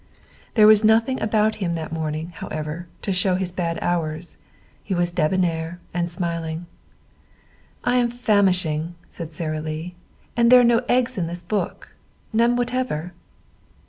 There was nothing about him that morning, however to show his bad hours. He was debonnaire and smiling. "I am famishing," said Sara Lee. "And there are no eggs in this book none whatever."